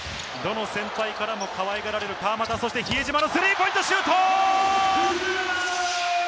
どの先輩からもかわいがられる川真田、比江島のスリーポイントシュート。